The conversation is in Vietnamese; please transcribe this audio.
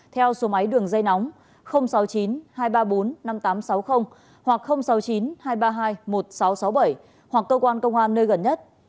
theo số máy đường dây nóng sáu mươi chín hai trăm ba mươi bốn năm nghìn tám trăm sáu mươi hoặc sáu mươi chín hai trăm ba mươi hai một nghìn sáu trăm sáu mươi bảy hoặc cơ quan công an nơi gần nhất